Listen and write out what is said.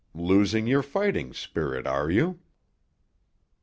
Losing your fighting spirit, are you?"